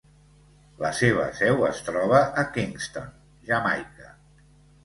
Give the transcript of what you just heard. La seva seu es troba a Kingston, Jamaica.